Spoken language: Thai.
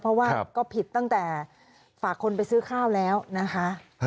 เพราะว่าก็ผิดตั้งแต่ฝากคนไปซื้อข้าวแล้วนะคะ